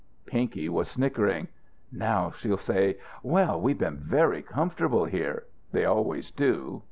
Pinky was snickering. "Now she'll say: 'Well, we've been very comfortable here.' They always do.